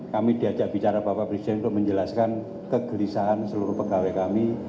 kami diajak bicara bapak presiden untuk menjelaskan kegelisahan seluruh pegawai kami